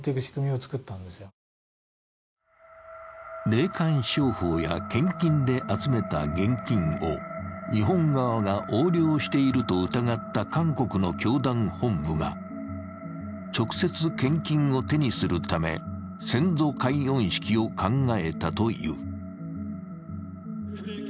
霊感商法や献金で集めた現金を日本側が横領していると疑った韓国の教団本部が直接献金を手にするため、先祖解怨式を考えたという。